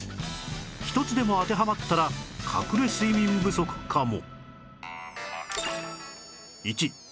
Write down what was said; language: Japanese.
１つでも当てはまったら隠れ睡眠不足かも